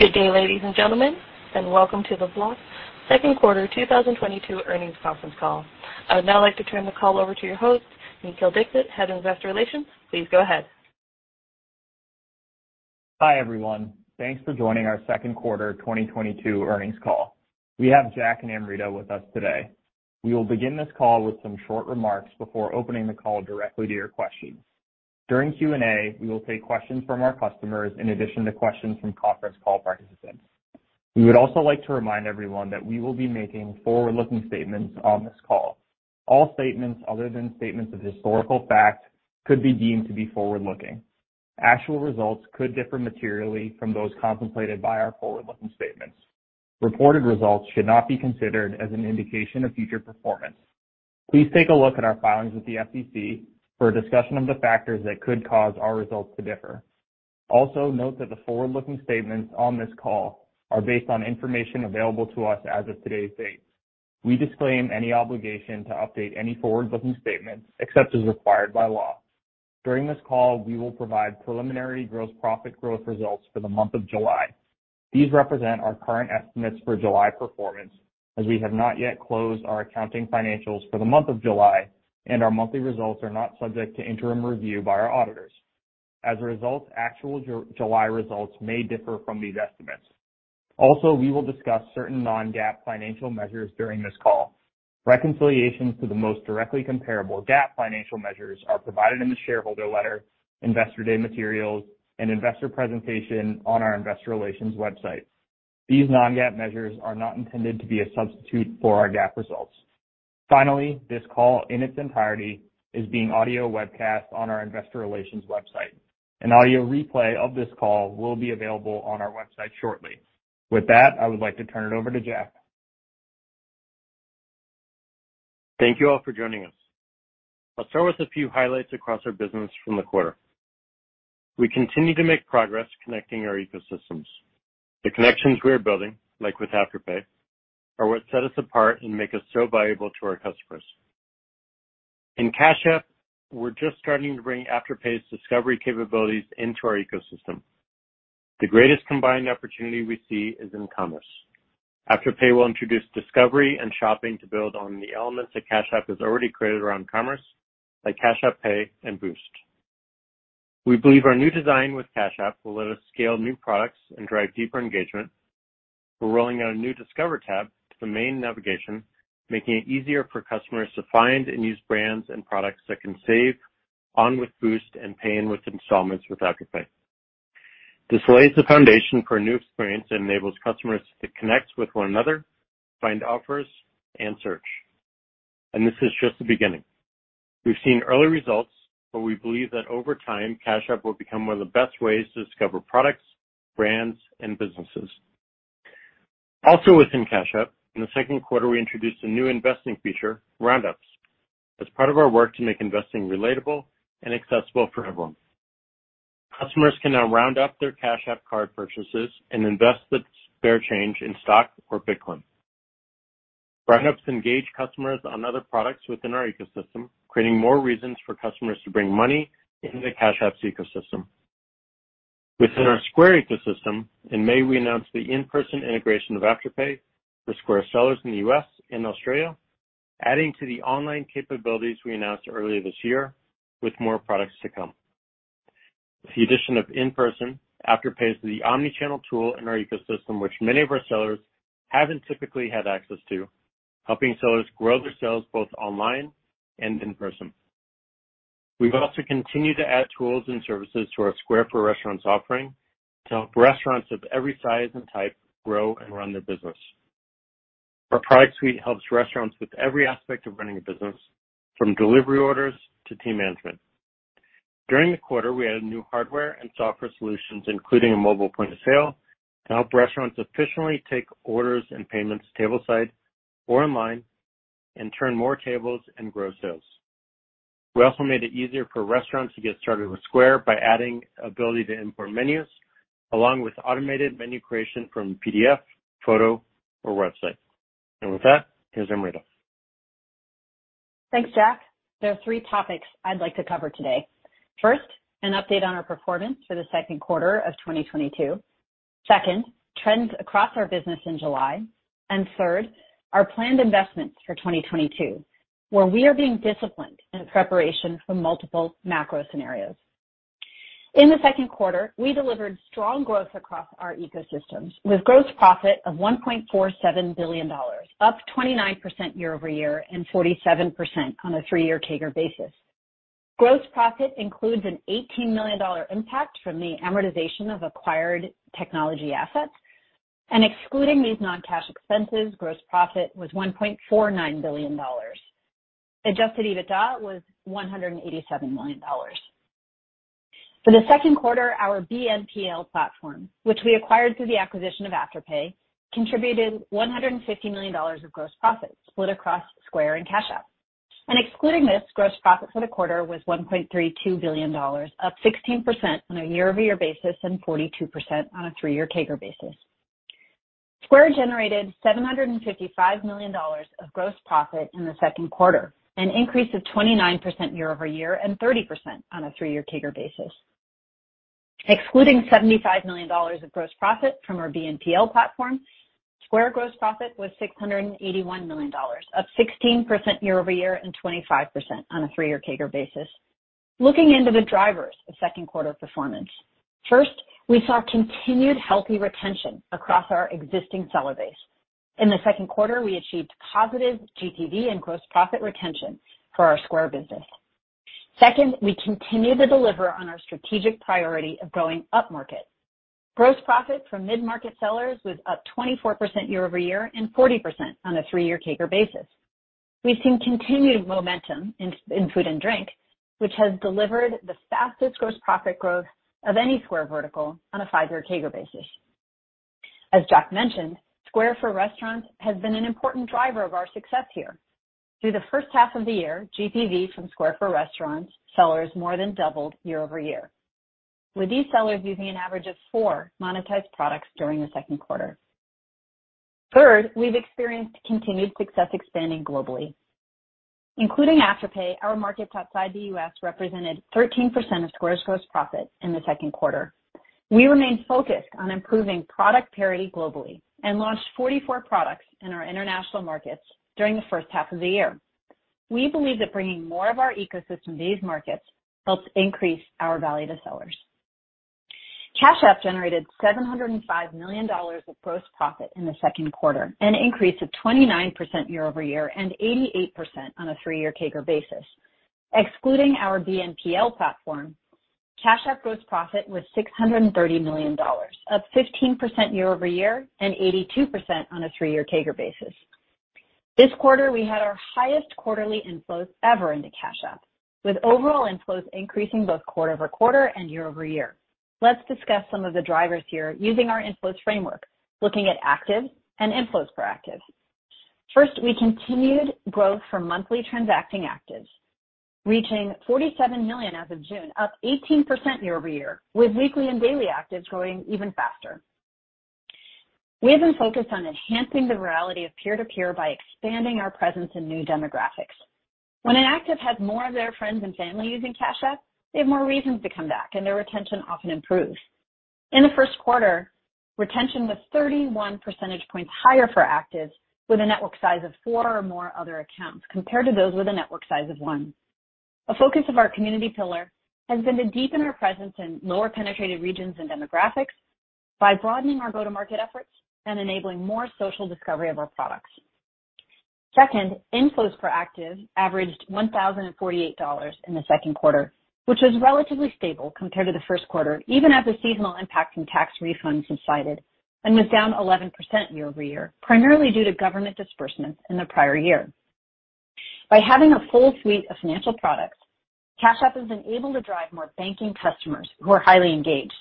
Good day, ladies and gentlemen, and welcome to the Block second quarter 2022 earnings conference call. I would now like to turn the call over to your host, Nikhil Dixit, Head of Investor Relations. Please go ahead. Hi, everyone. Thanks for joining our second quarter 2022 earnings call. We have Jack and Amrita with us today. We will begin this call with some short remarks before opening the call directly to your questions. During Q&A, we will take questions from our customers in addition to questions from conference call participants. We would also like to remind everyone that we will be making forward-looking statements on this call. All statements other than statements of historical fact could be deemed to be forward-looking. Actual results could differ materially from those contemplated by our forward-looking statements. Reported results should not be considered as an indication of future performance. Please take a look at our filings with the SEC for a discussion of the factors that could cause our results to differ. Note that the forward-looking statements on this call are based on information available to us as of today's date. We disclaim any obligation to update any forward-looking statements except as required by law. During this call, we will provide preliminary gross profit growth results for the month of July. These represent our current estimates for July performance, as we have not yet closed our accounting financials for the month of July, and our monthly results are not subject to interim review by our auditors. As a result, actual July results may differ from these estimates. We will discuss certain non-GAAP financial measures during this call. Reconciliations to the most directly comparable GAAP financial measures are provided in the shareholder letter, Investor Day materials, and investor presentation on our investor relations website. These non-GAAP measures are not intended to be a substitute for our GAAP results. Finally, this call in its entirety is being audio webcast on our investor relations website. An audio replay of this call will be available on our website shortly. With that, I would like to turn it over to Jack. Thank you all for joining us. I'll start with a few highlights across our business from the quarter. We continue to make progress connecting our ecosystems. The connections we are building, like with Afterpay, are what set us apart and make us so valuable to our customers. In Cash App, we're just starting to bring Afterpay's discovery capabilities into our ecosystem. The greatest combined opportunity we see is in commerce. Afterpay will introduce discovery and shopping to build on the elements that Cash App has already created around commerce, like Cash App Pay and Boost. We believe our new design with Cash App will let us scale new products and drive deeper engagement. We're rolling out a new Discover tab to the main navigation, making it easier for customers to find and use brands and products that can save on with Boost and paying with installments with Afterpay. This lays the foundation for a new experience that enables customers to connect with one another, find offers, and search. This is just the beginning. We've seen early results, but we believe that over time, Cash App will become one of the best ways to discover products, brands, and businesses. Also within Cash App, in the second quarter, we introduced a new investing feature, Round Ups, as part of our work to make investing relatable and accessible for everyone. Customers can now round up their Cash App Card purchases and invest the spare change in stock or Bitcoin. Round Ups engage customers on other products within our ecosystem, creating more reasons for customers to bring money into Cash App's ecosystem. Within our Square ecosystem, in May, we announced the in-person integration of Afterpay for Square sellers in the U.S. and Australia, adding to the online capabilities we announced earlier this year with more products to come. With the addition of in-person, Afterpay is the omni-channel tool in our ecosystem which many of our sellers haven't typically had access to, helping sellers grow their sales both online and in person. We've also continued to add tools and services to our Square for Restaurants offering to help restaurants of every size and type grow and run their business. Our product suite helps restaurants with every aspect of running a business, from delivery orders to team management. During the quarter, we added new hardware and software solutions, including a mobile point-of-sale, to help restaurants efficiently take orders and payments tableside or online and turn more tables and grow sales. We also made it easier for restaurants to get started with Square by adding ability to import menus along with automated menu creation from PDF, photo, or website. With that, here's Amrita. Thanks, Jack. There are three topics I'd like to cover today. First, an update on our performance for the second quarter of 2022. Second, trends across our business in July. And third, our planned investments for 2022, where we are being disciplined in preparation for multiple macro scenarios. In the second quarter, we delivered strong growth across our ecosystems with gross profit of $1.47 billion, up 29% year-over-year and 47% on a three-year CAGR basis. Gross profit includes an $18 million impact from the amortization of acquired technology assets. Excluding these non-cash expenses, gross profit was $1.49 billion. Adjusted EBITDA was $187 million. For the second quarter, our BNPL platform, which we acquired through the acquisition of Afterpay, contributed $150 million of gross profit, split across Square and Cash App. Excluding this, gross profit for the quarter was $1.32 billion, up 16% on a year-over-year basis and 42% on a three-year CAGR basis. Square generated $755 million of gross profit in the second quarter, an increase of 29% year-over-year and 30% on a three-year CAGR basis. Excluding $75 million of gross profit from our BNPL platform, Square gross profit was $681 million, up 16% year-over-year and 25% on a three-year CAGR basis. Looking into the drivers of second quarter performance. First, we saw continued healthy retention across our existing seller base. In the second quarter, we achieved positive GPV and gross profit retention for our Square business. Second, we continue to deliver on our strategic priority of going upmarket. Gross profit for mid-market sellers was up 24% year-over-year and 40% on a three-year CAGR basis. We've seen continued momentum in food and drink, which has delivered the fastest gross profit growth of any Square vertical on a five-year CAGR basis. As Jack mentioned, Square for Restaurants has been an important driver of our success here. Through the first half of the year, GPV from Square for Restaurants sellers more than doubled year-over-year, with these sellers using an average of four monetized products during the second quarter. Third, we've experienced continued success expanding globally. Including Afterpay, our market outside the U.S. represented 13% of Square's gross profit in the second quarter. We remain focused on improving product parity globally and launched 44 products in our international markets during the first half of the year. We believe that bringing more of our ecosystem to these markets helps increase our value to sellers. Cash App generated $705 million of gross profit in the second quarter, an increase of 29% year-over-year and 88% on a three-year CAGR basis. Excluding our BNPL platform, Cash App gross profit was $630 million, up 15% year-over-year and 82% on a three-year CAGR basis. This quarter, we had our highest quarterly inflows ever into Cash App, with overall inflows increasing both quarter-over-quarter and year-over-year. Let's discuss some of the drivers here using our inflows framework, looking at active and inflows per active. First, we continued growth for monthly transacting actives, reaching 47 million as of June, up 18% year-over-year, with weekly and daily actives growing even faster. We have been focused on enhancing the virality of peer-to-peer by expanding our presence in new demographics. When an active has more of their friends and family using Cash App, they have more reasons to come back, and their retention often improves. In the first quarter, retention was 31 percentage points higher for actives with a network size of four or more other accounts compared to those with a network size of one. A focus of our community pillar has been to deepen our presence in lower penetrated regions and demographics by broadening our go-to-market efforts and enabling more social discovery of our products. Second, inflows per active averaged $1,048 in the second quarter, which was relatively stable compared to the first quarter, even as the seasonal impact from tax refunds subsided and was down 11% year-over-year, primarily due to government disbursements in the prior year. By having a full suite of financial products, Cash App has been able to drive more banking customers who are highly engaged,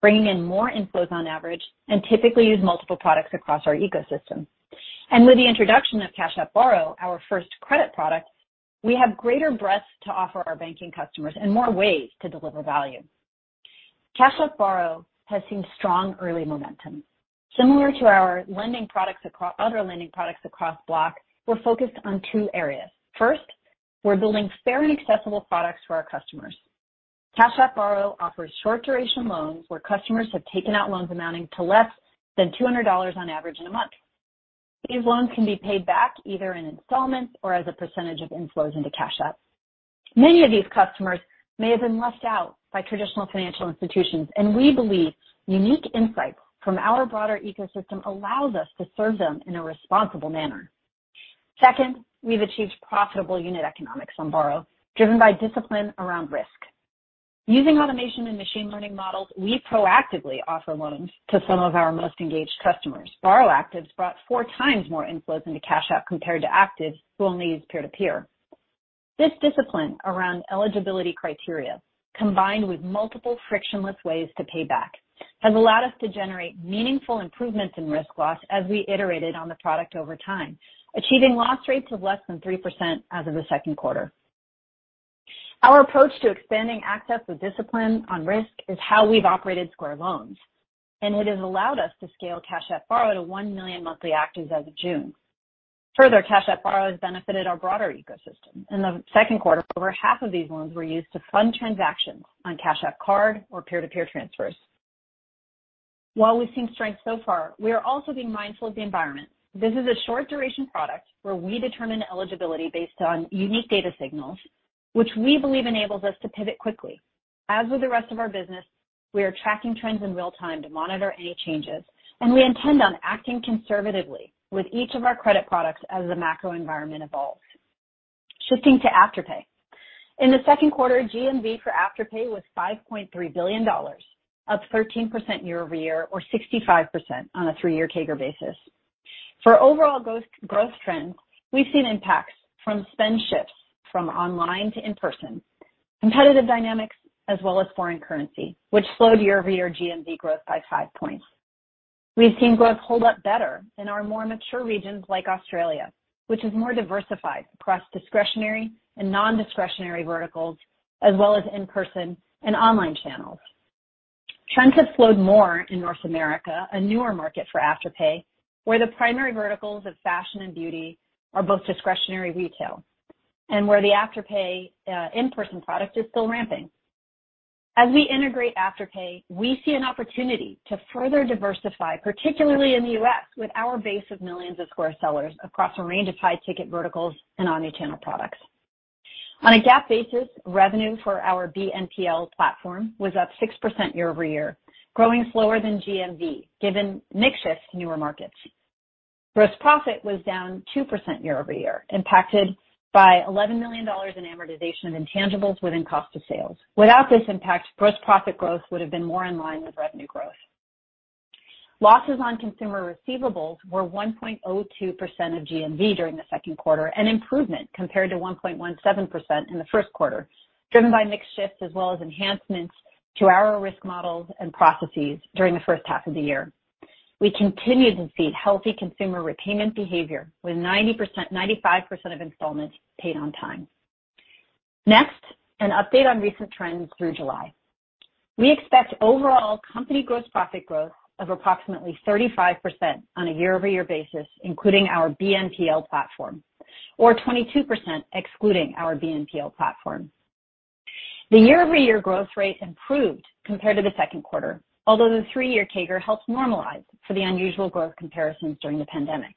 bringing in more inflows on average, and typically use multiple products across our ecosystem. With the introduction of Cash App Borrow, our first credit product, we have greater breadth to offer our banking customers and more ways to deliver value. Cash App Borrow has seen strong early momentum. Similar to our other lending products across Block, we're focused on two areas. First, we're building fair and accessible products for our customers. Cash App Borrow offers short duration loans where customers have taken out loans amounting to less than $200 on average in a month. These loans can be paid back either in installments or as a percentage of inflows into Cash App. Many of these customers may have been left out by traditional financial institutions, and we believe unique insights from our broader ecosystem allows us to serve them in a responsible manner. Second, we've achieved profitable unit economics on Borrow, driven by discipline around risk. Using automation and machine learning models, we proactively offer loans to some of our most engaged customers. Borrow actives brought 4x more inflows into Cash App compared to actives who only use peer-to-peer. This discipline around eligibility criteria, combined with multiple frictionless ways to pay back, has allowed us to generate meaningful improvements in risk loss as we iterated on the product over time, achieving loss rates of less than 3% as of the second quarter. Our approach to expanding access with discipline on risk is how we've operated Square Loans, and it has allowed us to scale Cash App Borrow to 1 million monthly actives as of June. Further, Cash App Borrow has benefited our broader ecosystem. In the second quarter, over half of these loans were used to fund transactions on Cash App Card or peer-to-peer transfers. While we've seen strength so far, we are also being mindful of the environment. This is a short duration product where we determine eligibility based on unique data signals, which we believe enables us to pivot quickly. As with the rest of our business, we are tracking trends in real time to monitor any changes, and we intend on acting conservatively with each of our credit products as the macro environment evolves. Shifting to Afterpay. In the second quarter, GMV for Afterpay was $5.3 billion, up 13% year-over-year or 65% on a three-year CAGR basis. For overall growth trends, we've seen impacts from spend shifts from online to in-person, competitive dynamics, as well as foreign currency, which slowed year-over-year GMV growth by five points. We've seen growth hold up better in our more mature regions like Australia, which is more diversified across discretionary and non-discretionary verticals. As well as in-person and online channels. Trends have slowed more in North America, a newer market for Afterpay, where the primary verticals of fashion and beauty are both discretionary retail, and where the Afterpay in-person product is still ramping. As we integrate Afterpay, we see an opportunity to further diversify, particularly in the U.S., with our base of millions of Square sellers across a range of high-ticket verticals and omni-channel products. On a GAAP basis, revenue for our BNPL platform was up 6% year-over-year, growing slower than GMV, given mix shifts in newer markets. Gross profit was down 2% year-over-year, impacted by $11 million in amortization of intangibles within cost of sales. Without this impact, gross profit growth would have been more in line with revenue growth. Losses on consumer receivables were 1.02% of GMV during the second quarter, an improvement compared to 1.17% in the first quarter, driven by mix shifts as well as enhancements to our risk models and processes during the first half of the year. We continued to see healthy consumer repayment behavior with 95% of installments paid on time. Next, an update on recent trends through July. We expect overall company gross profit growth of approximately 35% on a year-over-year basis, including our BNPL platform, or 22% excluding our BNPL platform. The year-over-year growth rate improved compared to the second quarter, although the three-year CAGR helps normalize for the unusual growth comparisons during the pandemic.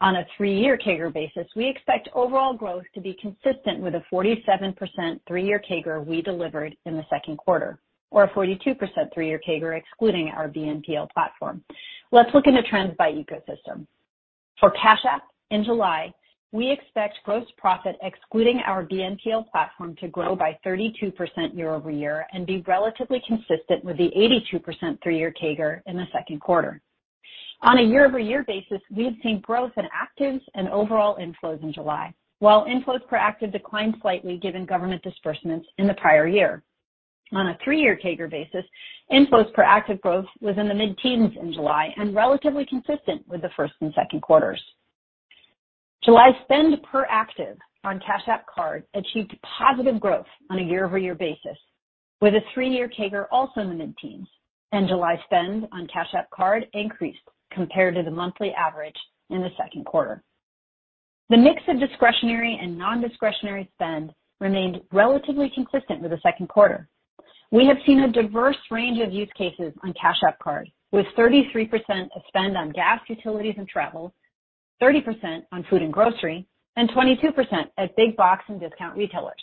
On a three-year CAGR basis, we expect overall growth to be consistent with the 47% three-year CAGR we delivered in the second quarter, or a 42% three-year CAGR excluding our BNPL platform. Let's look into trends by ecosystem. For Cash App in July, we expect gross profit excluding our BNPL platform to grow by 32% year-over-year and be relatively consistent with the 82% three-year CAGR in the second quarter. On a year-over-year basis, we have seen growth in actives and overall inflows in July, while inflows per active declined slightly given government disbursements in the prior year. On a 3-year CAGR basis, inflows per active growth was in the mid-teens in July and relatively consistent with the first and second quarters. July spend per active on Cash App Card achieved positive growth on a year-over-year basis, with a three-year CAGR also in the mid-teens, and July spend on Cash App Card increased compared to the monthly average in the second quarter. The mix of discretionary and non-discretionary spend remained relatively consistent with the second quarter. We have seen a diverse range of use cases on Cash App Card, with 33% of spend on gas, utilities, and travel, 30% on food and grocery, and 22% at big box and discount retailers.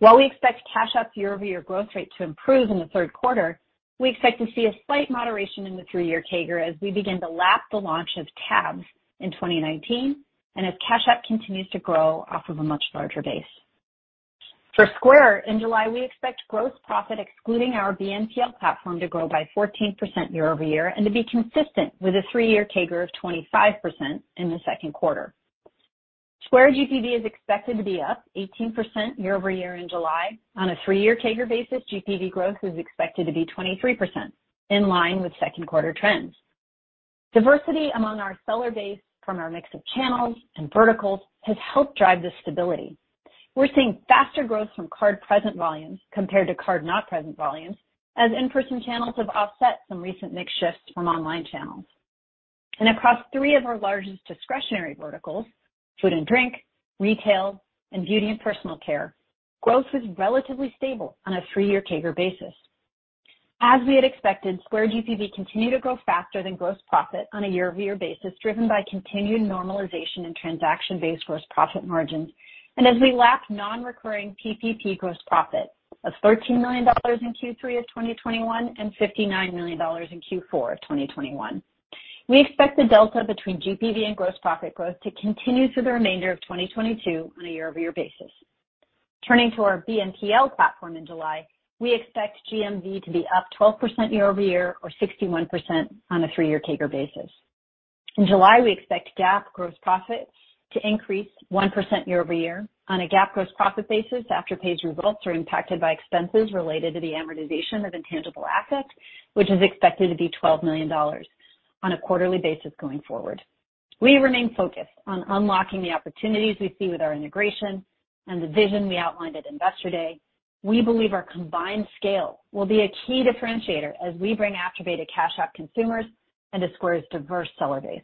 While we expect Cash App year-over-year growth rate to improve in the third quarter, we expect to see a slight moderation in the three-year CAGR as we begin to lap the launch of Tabs in 2019 and as Cash App continues to grow off of a much larger base. For Square, in July, we expect gross profit excluding our BNPL platform to grow by 14% year-over-year and to be consistent with a three-year CAGR of 25% in the second quarter. Square GPV is expected to be up 18% year-over-year in July. On a three-year CAGR basis, GPV growth is expected to be 23%, in line with second quarter trends. Diversity among our seller base from our mix of channels and verticals has helped drive this stability. We're seeing faster growth from card present volumes compared to card not present volumes, as in-person channels have offset some recent mix shifts from online channels. Across three of our largest discretionary verticals, food and drink, retail, and beauty and personal care, growth was relatively stable on a three-year CAGR basis. As we had expected, Square GPV continued to grow faster than gross profit on a year-over-year basis, driven by continued normalization in transaction-based gross profit margins and as we lap non-recurring PPP gross profit of $13 million in Q3 of 2021 and $59 million in Q4 of 2021. We expect the delta between GPV and gross profit growth to continue through the remainder of 2022 on a year-over-year basis. Turning to our BNPL platform in July, we expect GMV to be up 12% year-over-year or 61% on a three-year CAGR basis. In July, we expect GAAP gross profit to increase 1% year-over-year. On a GAAP gross profit basis, Afterpay's results are impacted by expenses related to the amortization of intangible assets, which is expected to be $12 million on a quarterly basis going forward. We remain focused on unlocking the opportunities we see with our integration and the vision we outlined at Investor Day. We believe our combined scale will be a key differentiator as we bring Afterpay to Cash App consumers and to Square's diverse seller base.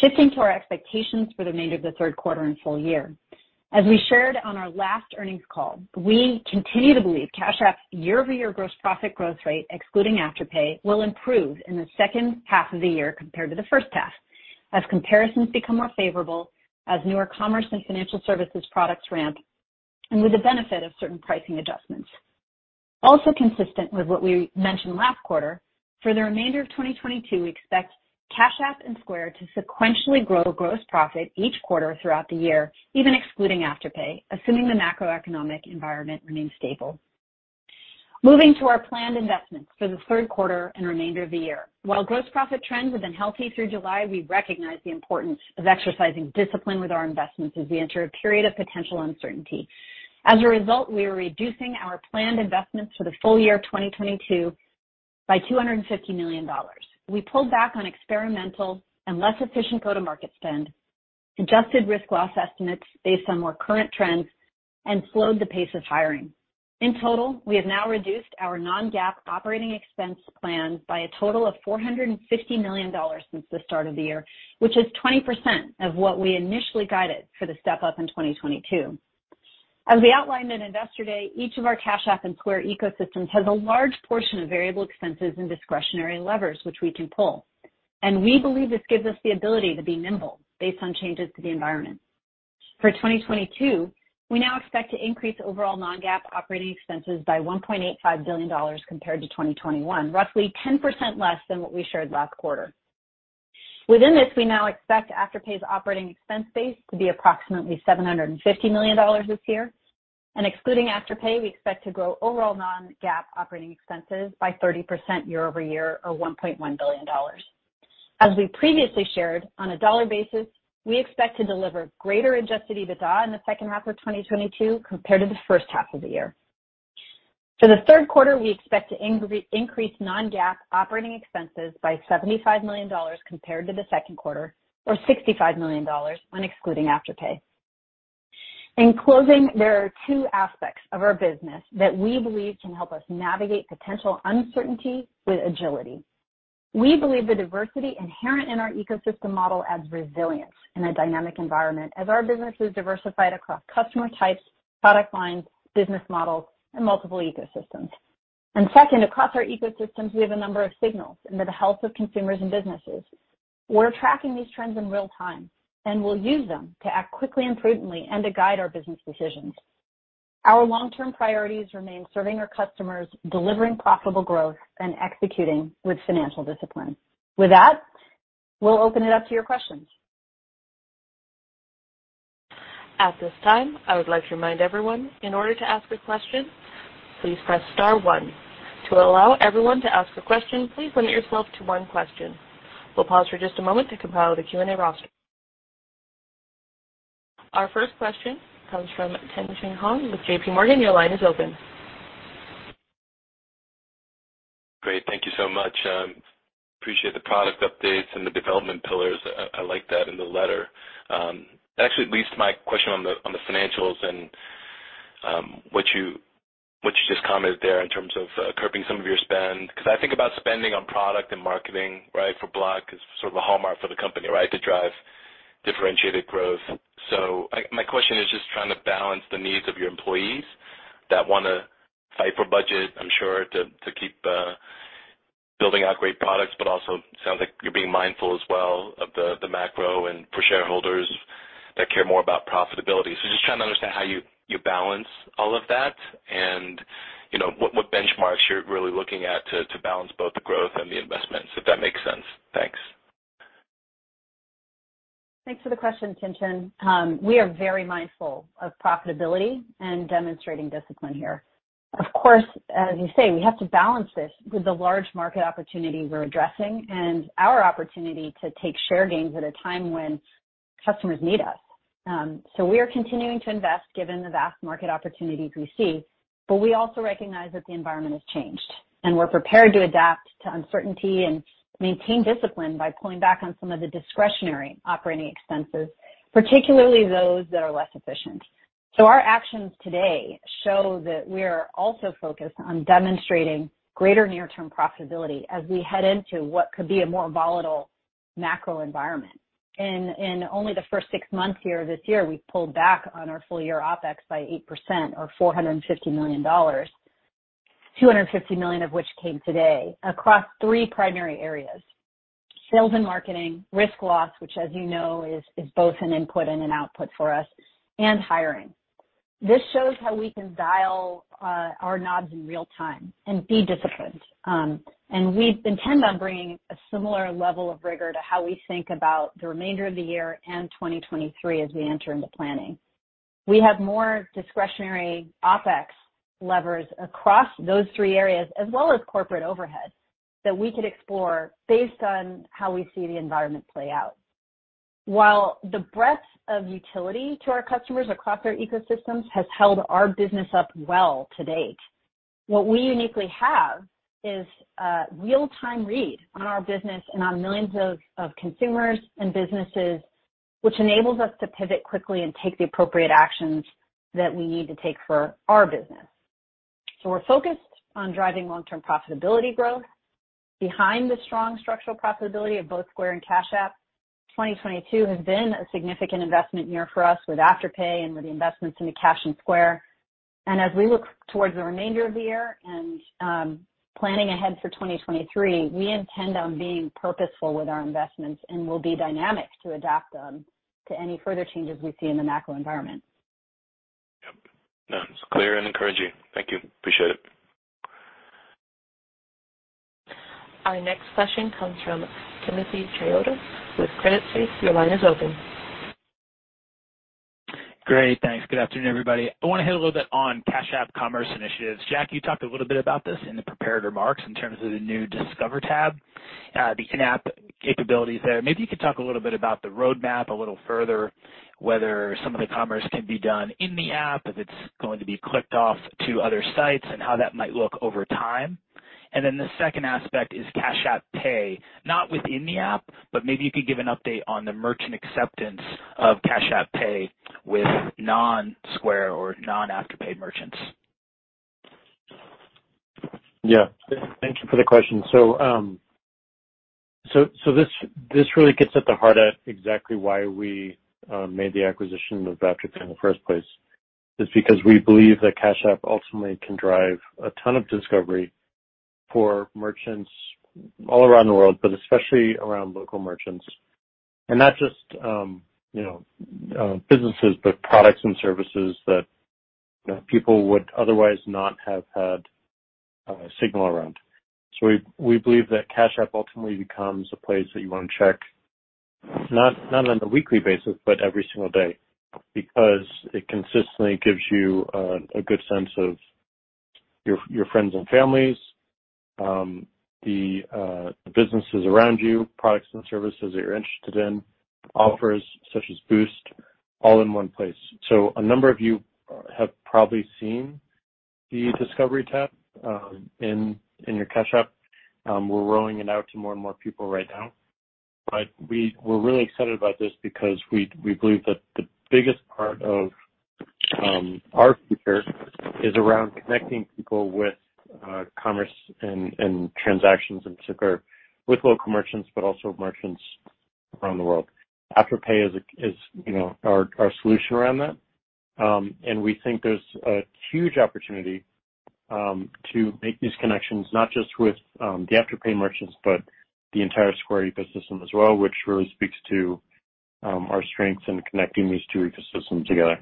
Shifting to our expectations for the remainder of the third quarter and full year. As we shared on our last earnings call, we continue to believe Cash App's year-over-year gross profit growth rate, excluding Afterpay, will improve in the second half of the year compared to the first half as comparisons become more favorable, as newer commerce and financial services products ramp, and with the benefit of certain pricing adjustments. Also consistent with what we mentioned last quarter, for the remainder of 2022, we expect Cash App and Square to sequentially grow gross profit each quarter throughout the year, even excluding Afterpay, assuming the macroeconomic environment remains stable. Moving to our planned investments for the third quarter and remainder of the year. While gross profit trends have been healthy through July, we recognize the importance of exercising discipline with our investments as we enter a period of potential uncertainty. As a result, we are reducing our planned investments for the full year of 2022 by $250 million. We pulled back on experimental and less efficient go-to-market spend, adjusted risk loss estimates based on more current trends, and slowed the pace of hiring. In total, we have now reduced our non-GAAP operating expense plan by a total of $450 million since the start of the year, which is 20% of what we initially guided for the step-up in 2022. As we outlined in Investor Day, each of our Cash App and Square ecosystems has a large portion of variable expenses and discretionary levers which we can pull. We believe this gives us the ability to be nimble based on changes to the environment. For 2022, we now expect to increase overall non-GAAP operating expenses by $1.85 billion compared to 2021, roughly 10% less than what we shared last quarter. Within this, we now expect Afterpay's operating expense base to be approximately $750 million this year. Excluding Afterpay, we expect to grow overall non-GAAP operating expenses by 30% year-over-year or $1.1 billion. As we previously shared, on a dollar basis, we expect to deliver greater Adjusted EBITDA in the second half of 2022 compared to the first half of the year. For the third quarter, we expect to increase non-GAAP operating expenses by $75 million compared to the second quarter or $65 million when excluding Afterpay. In closing, there are two aspects of our business that we believe can help us navigate potential uncertainty with agility. We believe the diversity inherent in our ecosystem model adds resilience in a dynamic environment as our business is diversified across customer types, product lines, business models, and multiple ecosystems. Second, across our ecosystems, we have a number of signals into the health of consumers and businesses. We're tracking these trends in real time, and we'll use them to act quickly and prudently and to guide our business decisions. Our long-term priorities remain serving our customers, delivering profitable growth, and executing with financial discipline. With that, we'll open it up to your questions. At this time, I would like to remind everyone, in order to ask a question, please press star one. To allow everyone to ask a question, please limit yourself to one question. We'll pause for just a moment to compile the Q&A roster. Our first question comes from Tien-Tsin Huang with JPMorgan. Your line is open. Great. Thank you so much. Appreciate the product updates and the development pillars. I like that in the letter. Actually, it leads to my question on the financials and what you just commented there in terms of curbing some of your spend. 'Cause I think about spending on product and marketing, right, for Block is sort of a hallmark for the company, right, to drive differentiated growth. My question is just trying to balance the needs of your employees that wanna fight for budget, I'm sure, to keep building out great products, but also sounds like you're being mindful as well of the macro and for shareholders that care more about profitability. Just trying to understand how you balance all of that and, you know, what benchmarks you're really looking at to balance both the growth and the investments, if that makes sense. Thanks. Thanks for the question, Tien-Tsin. We are very mindful of profitability and demonstrating discipline here. Of course, as you say, we have to balance this with the large market opportunity we're addressing and our opportunity to take share gains at a time when customers need us. We are continuing to invest given the vast market opportunities we see, but we also recognize that the environment has changed, and we're prepared to adapt to uncertainty and maintain discipline by pulling back on some of the discretionary operating expenses, particularly those that are less efficient. Our actions today show that we are also focused on demonstrating greater near-term profitability as we head into what could be a more volatile macro environment. In only the first six months here this year, we've pulled back on our full-year OpEx by 8% or $450 million, $250 million of which came today, across three primary areas. Sales and marketing, risk and loss, which, as you know, is both an input and an output for us, and hiring. This shows how we can dial our knobs in real time and be disciplined. We intend on bringing a similar level of rigor to how we think about the remainder of the year and 2023 as we enter into planning. We have more discretionary OpEx levers across those three areas as well as corporate overhead that we could explore based on how we see the environment play out. While the breadth of utility to our customers across our ecosystems has held our business up well to date, what we uniquely have is a real-time read on our business and on millions of consumers and businesses, which enables us to pivot quickly and take the appropriate actions that we need to take for our business. We're focused on driving long-term profitability growth. Behind the strong structural profitability of both Square and Cash App, 2022 has been a significant investment year for us with Afterpay and with the investments into Cash and Square. We look towards the remainder of the year and planning ahead for 2023, we intend on being purposeful with our investments, and we'll be dynamic to adapt them to any further changes we see in the macro environment. Yep. No, it's clear and encouraging. Thank you. Appreciate it. Our next question comes from Timothy Chiodo with Credit Suisse. Your line is open. Great. Thanks. Good afternoon, everybody. I wanna hit a little bit on Cash App commerce initiatives. Jack, you talked a little bit about this in the prepared remarks in terms of the new Discover tab. The in-app capabilities there. Maybe you could talk a little bit about the roadmap a little further, whether some of the commerce can be done in the app, if it's going to be clicked off to other sites, and how that might look over time. The second aspect is Cash App Pay, not within the app, but maybe you could give an update on the merchant acceptance of Cash App Pay with non-Square or non-Afterpay merchants. Yeah. Thank you for the question. This really gets at the heart of exactly why we made the acquisition of Afterpay in the first place, is because we believe that Cash App ultimately can drive a ton of discovery for merchants all around the world, but especially around local merchants. Not just, you know, businesses, but products and services that, you know, people would otherwise not have had signal around. We believe that Cash App ultimately becomes a place that you wanna check, not on a weekly basis, but every single day, because it consistently gives you a good sense of your friends and families, the businesses around you, products and services that you're interested in, offers such as Boost all in one place. A number of you have probably seen the Discover tab in your Cash App. We're rolling it out to more and more people right now. We're really excited about this because we believe that the biggest part of our future is around connecting people with commerce and transactions in particular with local merchants, but also merchants around the world. Afterpay is, you know, our solution around that. We think there's a huge opportunity to make these connections, not just with the Afterpay merchants, but the entire Square ecosystem as well, which really speaks to our strengths in connecting these two ecosystems together.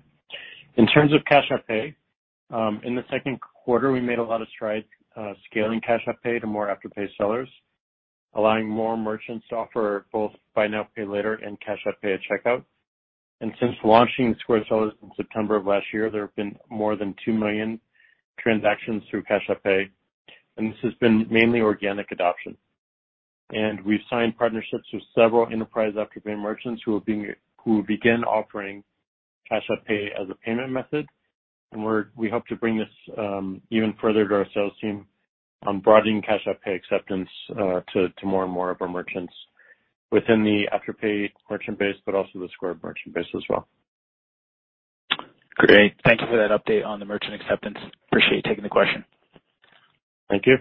In terms of Cash App Pay, in the second quarter, we made a lot of strides, scaling Cash App Pay to more Afterpay sellers, allowing more merchants to offer both buy now, pay later and Cash App Pay at checkout. Since launching Square sellers in September of last year, there have been more than two million transactions through Cash App Pay, and this has been mainly organic adoption. We've signed partnerships with several enterprise Afterpay merchants who will begin offering Cash App Pay as a payment method. We hope to bring this even further to our sales team on broadening Cash App Pay acceptance, to more and more of our merchants within the Afterpay merchant base, but also the Square merchant base as well. Great. Thank you for that update on the merchant acceptance. Appreciate you taking the question. Thank you.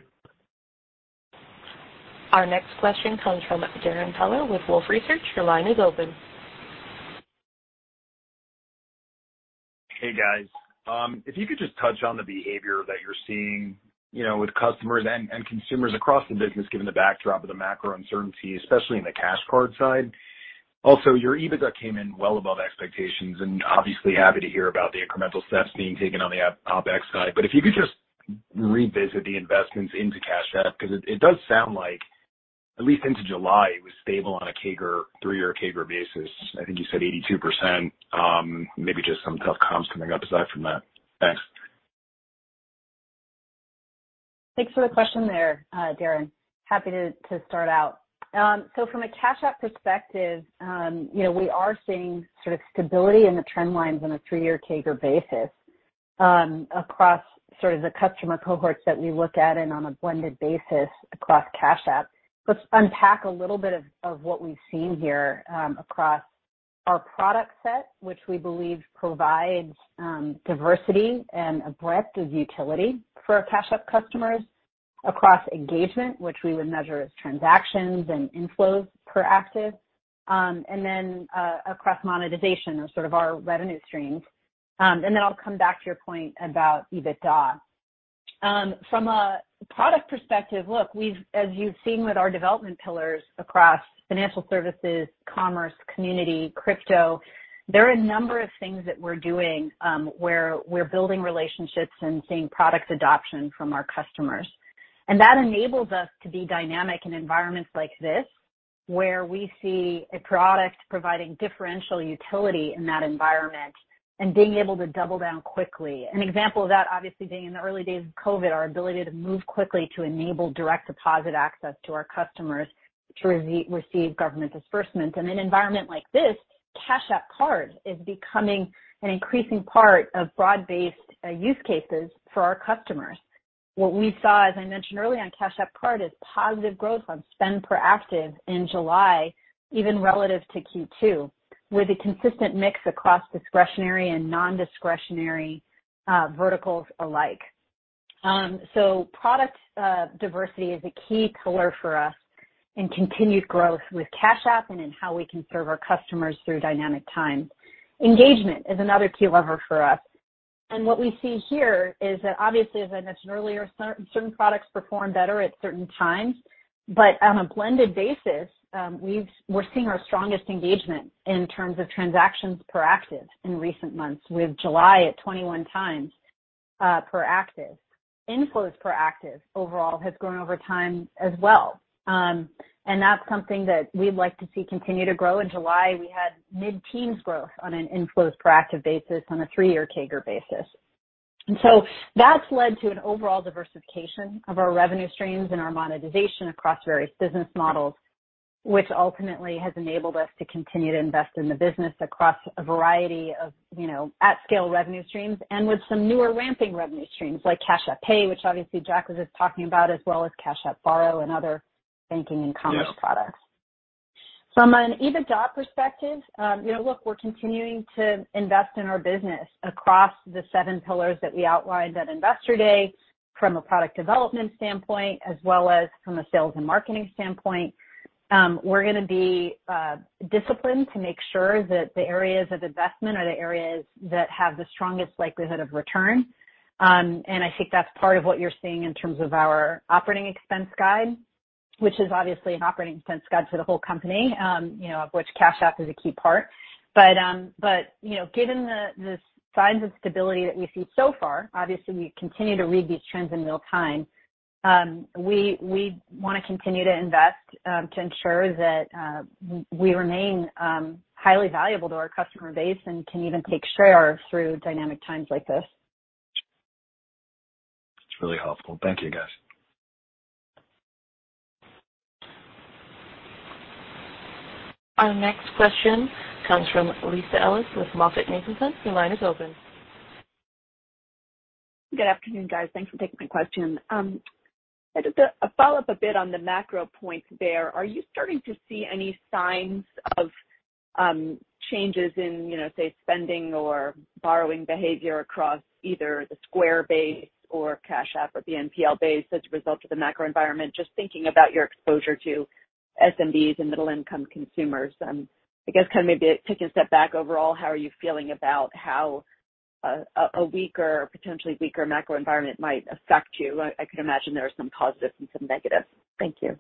Our next question comes from Darrin Peller with Wolfe Research. Your line is open. Hey, guys. If you could just touch on the behavior that you're seeing, you know, with customers and consumers across the business, given the backdrop of the macro uncertainty, especially in the Cash Card side. Also, your EBITDA came in well above expectations and obviously happy to hear about the incremental steps being taken on the OpEx side. If you could just revisit the investments into Cash App, 'cause it does sound like at least into July, it was stable on a CAGR, three-year CAGR basis. I think you said 82%, maybe just some tough comps coming up aside from that. Thanks. Thanks for the question there, Darrin. Happy to start out. From a Cash App perspective, you know, we are seeing sort of stability in the trend lines on a three-year CAGR basis, across sort of the customer cohorts that we look at and on a blended basis across Cash App. Let's unpack a little bit of what we've seen here, across our product set, which we believe provides diversity and a breadth of utility for our Cash App customers across engagement, which we would measure as transactions and inflows per active, and then across monetization or sort of our revenue streams. I'll come back to your point about EBITDA. From a product perspective, look, as you've seen with our development pillars across financial services, commerce, community, crypto, there are a number of things that we're doing, where we're building relationships and seeing product adoption from our customers. That enables us to be dynamic in environments like this, where we see a product providing differential utility in that environment and being able to double down quickly. An example of that, obviously, being in the early days of COVID, our ability to move quickly to enable direct deposit access to our customers to receive government disbursements. In an environment like this, Cash App Card is becoming an increasing part of broad-based use cases for our customers. What we saw, as I mentioned earlier on Cash App Card, is positive growth on spend per active in July, even relative to Q2, with a consistent mix across discretionary and non-discretionary verticals alike. Product diversity is a key pillar for us in continued growth with Cash App and in how we can serve our customers through dynamic times. Engagement is another key lever for us. What we see here is that obviously, as I mentioned earlier, certain products perform better at certain times, but on a blended basis, we're seeing our strongest engagement in terms of transactions per active in recent months, with July at 21 times per active. Inflows per active overall has grown over time as well. That's something that we'd like to see continue to grow. In July, we had mid-teens growth on an inflows per active basis on a three-year CAGR basis. That's led to an overall diversification of our revenue streams and our monetization across various business models, which ultimately has enabled us to continue to invest in the business across a variety of, you know, at scale revenue streams and with some newer ramping revenue streams like Cash App Pay, which obviously Jack was just talking about, as well as Cash App Borrow and other banking and commerce products. From an EBITDA perspective, you know, look, we're continuing to invest in our business across the seven pillars that we outlined at Investor Day from a product development standpoint as well as from a sales and marketing standpoint. We're gonna be disciplined to make sure that the areas of investment are the areas that have the strongest likelihood of return. I think that's part of what you're seeing in terms of our operating expense guide, which is obviously an operating expense guide to the whole company, you know, of which Cash App is a key part. You know, given the signs of stability that we see so far, obviously, we continue to read these trends in real time. We wanna continue to invest to ensure that we remain highly valuable to our customer base and can even take share through dynamic times like this. That's really helpful. Thank you, guys. Our next question comes from Lisa Ellis with MoffettNathanson. Your line is open. Good afternoon, guys. Thanks for taking my question. Just to follow up a bit on the macro points there, are you starting to see any signs of changes in, you know, say, spending or borrowing behavior across either the Square base or Cash App or the BNPL base as a result of the macro environment? Just thinking about your exposure to SMBs and middle-income consumers, and I guess kind of maybe taking a step back overall, how are you feeling about how a weaker, potentially weaker macro environment might affect you? I could imagine there are some positives and some negatives. Thank you.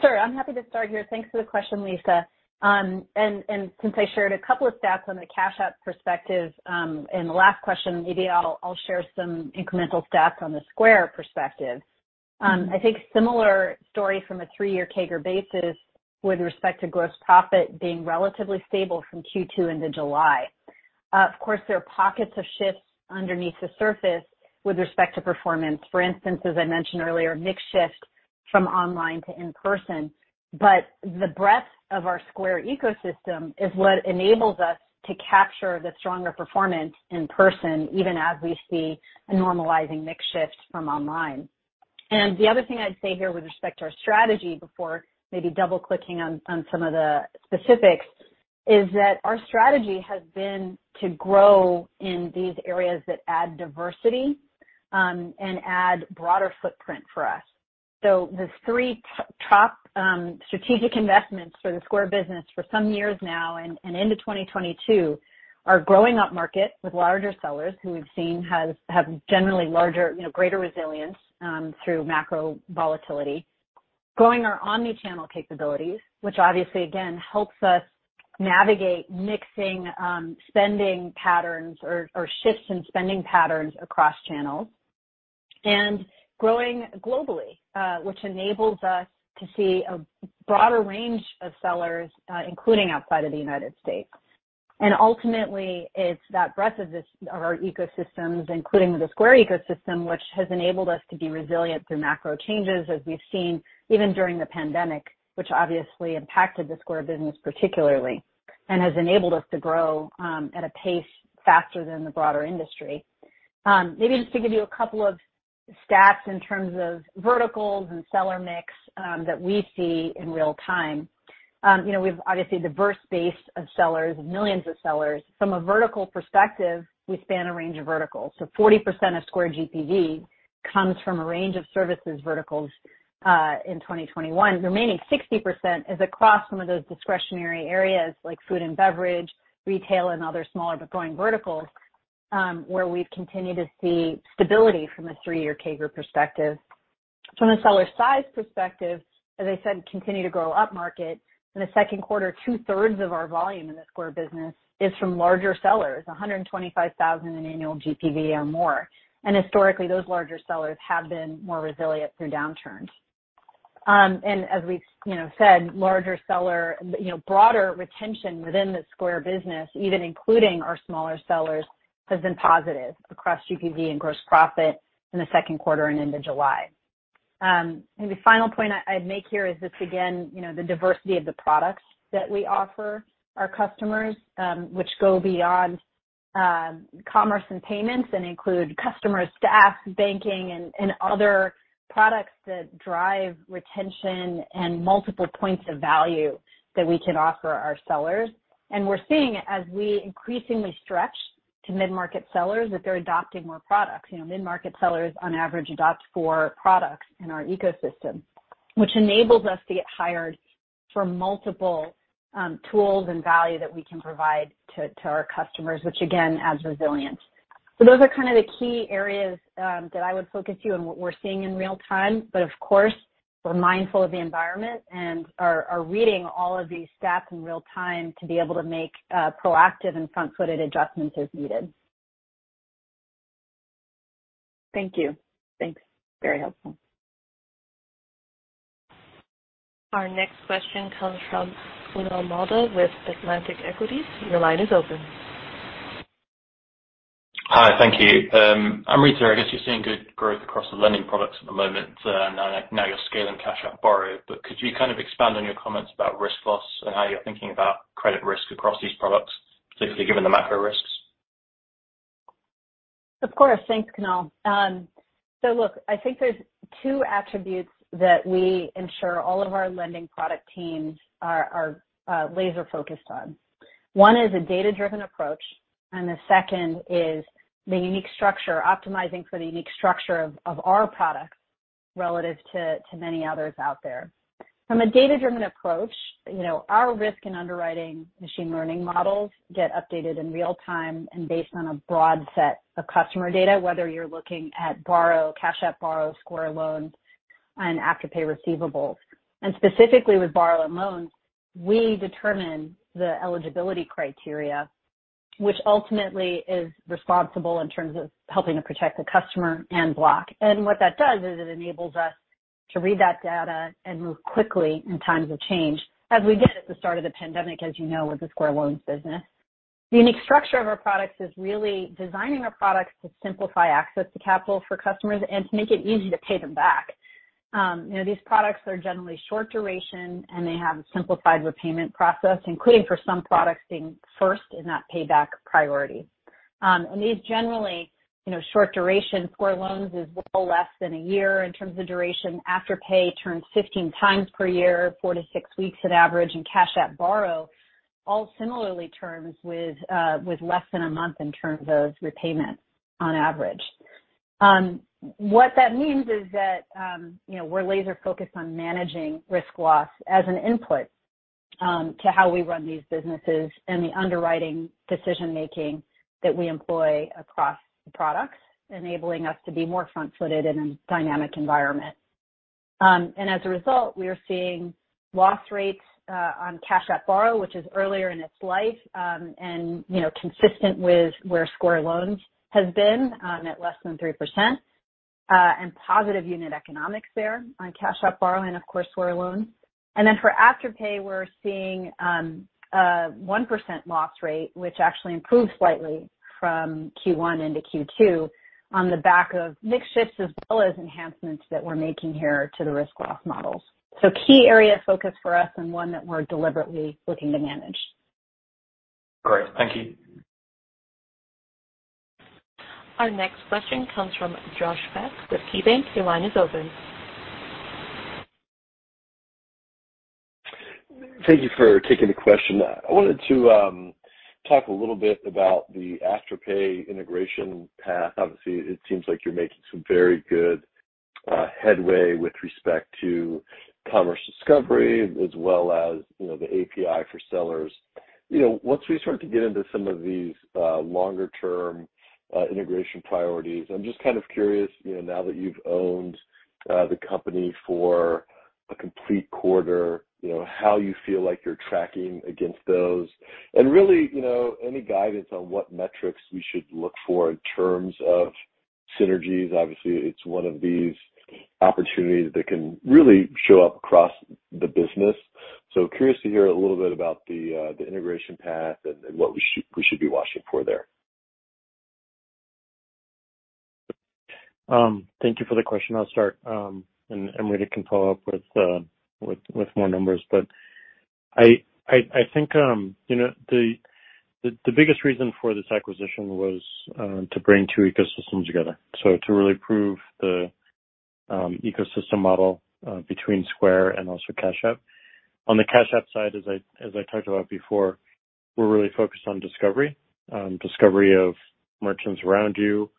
Sure. I'm happy to start here. Thanks for the question, Lisa. And since I shared a couple of stats on the Cash App perspective in the last question, maybe I'll share some incremental stats from the Square perspective. I think similar story from a three-year CAGR basis with respect to gross profit being relatively stable from Q2 into July. Of course, there are pockets of shifts underneath the surface with respect to performance. For instance, as I mentioned earlier, mix shift from online to in-person. The breadth of our Square ecosystem is what enables us to capture the stronger performance in person, even as we see a normalizing mix shift from online. The other thing I'd say here with respect to our strategy before maybe double-clicking on some of the specifics is that our strategy has been to grow in these areas that add diversity and add broader footprint for us. The three top strategic investments for the Square business for some years now and into 2022 are growing upmarket with larger sellers who we've seen have generally larger, you know, greater resilience through macro volatility. Growing our omni-channel capabilities, which obviously again helps us navigate mix in spending patterns or shifts in spending patterns across channels. Growing globally, which enables us to see a broader range of sellers including outside of the United States. Ultimately, it's that breadth of this, of our ecosystems, including the Square ecosystem, which has enabled us to be resilient through macro changes as we've seen even during the pandemic, which obviously impacted the Square business particularly and has enabled us to grow at a pace faster than the broader industry. Maybe just to give you a couple of stats in terms of verticals and seller mix that we see in real time. You know, we've obviously a diverse base of sellers, millions of sellers. From a vertical perspective, we span a range of verticals. 40% of Square GPV comes from a range of services verticals in 2021. The remaining 60% is across some of those discretionary areas like food and beverage, retail, and other smaller but growing verticals, where we've continued to see stability from a three-year CAGR perspective. From a seller size perspective, as I said, continue to grow up market. In the second quarter, 2/3 of our volume in the Square business is from larger sellers, 125,000 in annual GPV or more. Historically, those larger sellers have been more resilient through downturns. As we've, you know, said, broader retention within the Square business, even including our smaller sellers, has been positive across GPV and gross profit in the second quarter and into July. Maybe final point I'd make here is just again, you know, the diversity of the products that we offer our customers, which go beyond commerce and payments and include customer, staff, banking and other products that drive retention and multiple points of value that we can offer our sellers. We're seeing as we increasingly stretch to mid-market sellers, that they're adopting more products. You know, mid-market sellers on average adopt four products in our ecosystem, which enables us to get hired for multiple tools and value that we can provide to our customers, which again adds resilience. Those are kind of the key areas that I would focus for you on what we're seeing in real time. Of course, we're mindful of the environment and are reading all of these stats in real time to be able to make proactive and front-footed adjustments as needed. Thank you. Thanks. Very helpful. Our next question comes from Kunal Madhukar with Atlantic Equities. Your line is open. Hi. Thank you. Amrita, I guess you're seeing good growth across the lending products at the moment, now you're scaling Cash App Borrow. Could you kind of expand on your comments about risk loss and how you're thinking about credit risk across these products, particularly given the macro risks? Of course. Thanks, Kunal. So look, I think there's two attributes that we ensure all of our lending product teams are laser-focused on. One is a data-driven approach, and the second is the unique structure, optimizing for the unique structure of our products relative to many others out there. From a data-driven approach, you know, our risk and underwriting machine learning models get updated in real time and based on a broad set of customer data, whether you're looking at Borrow, Cash App Borrow, Square Loans, and Afterpay receivables. Specifically with Borrow and Loans, we determine the eligibility criteria, which ultimately is responsible in terms of helping to protect the customer and Block. What that does is it enables us to read that data and move quickly in times of change, as we did at the start of the pandemic, as you know, with the Square Loans business. The unique structure of our products is really designing our products to simplify access to capital for customers and to make it easy to pay them back. You know, these products are generally short duration, and they have a simplified repayment process, including for some products being first in that payback priority. Square Loans is a little less than a year in terms of duration. Afterpay turns 15x per year, four to six weeks on average. Cash App Borrow all similar terms with less than a month in terms of repayment on average. What that means is that, you know, we're laser-focused on managing risk loss as an input, to how we run these businesses and the underwriting decision-making that we employ across the products, enabling us to be more front-footed in a dynamic environment. As a result, we are seeing loss rates, on Cash App Borrow, which is earlier in its life, and, you know, consistent with where Square Loans has been, at less than 3%, and positive unit economics there on Cash App Borrow and, of course, Square Loans. Then for Afterpay, we're seeing, a 1% loss rate, which actually improved slightly from Q1 into Q2 on the back of mix shifts as well as enhancements that we're making here to the risk loss models. Key area of focus for us and one that we're deliberately looking to manage. Great. Thank you. Our next question comes from Josh Beck with KeyBanc. Your line is open. Thank you for taking the question. I wanted to talk a little bit about the Afterpay integration path. Obviously, it seems like you're making some very good headway with respect to commerce discovery as well as, you know, the API for sellers. You know, once we start to get into some of these longer-term integration priorities, I'm just kind of curious, you know, now that you've owned the company for a complete quarter, you know, how you feel like you're tracking against those. Really, you know, any guidance on what metrics we should look for in terms of synergies. Obviously, it's one of these opportunities that can really show up across the business. Curious to hear a little bit about the integration path and what we should be watching for there. Thank you for the question. I'll start, and Amrita can follow up with more numbers. I think, you know, the biggest reason for this acquisition was to bring two ecosystems together, so to really prove the ecosystem model between Square and also Cash App. On the Cash App side, as I talked about before, we're really focused on discovery. Discovery of merchants around you,